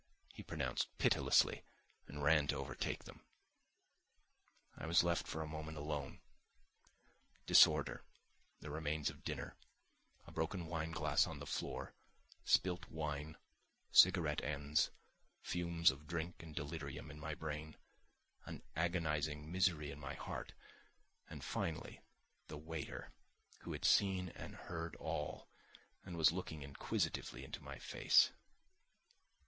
he pronounced pitilessly, and ran to overtake them. I was left for a moment alone. Disorder, the remains of dinner, a broken wine glass on the floor, spilt wine, cigarette ends, fumes of drink and delirium in my brain, an agonising misery in my heart and finally the waiter, who had seen and heard all and was looking inquisitively into my face.